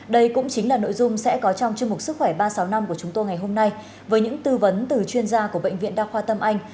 đây cũng chính là nội dung sẽ có trong chương mục sức khỏe ba trăm sáu mươi năm của chúng tôi ngày hôm nay với những tư vấn từ chuyên gia của bệnh viện đa khoa tâm anh